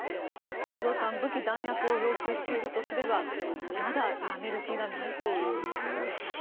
太蔵さん、武器・弾薬を要求しているとすればまだやめる気がないということでしょうか。